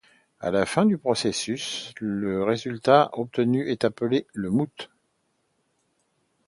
À la fin du processus, le résultat obtenu est appelé le moût.